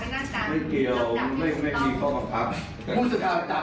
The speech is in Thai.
ไม่เกี่ยวไม่ไม่มีข้อบังคับ